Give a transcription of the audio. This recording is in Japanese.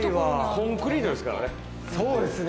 コンクリートですからね。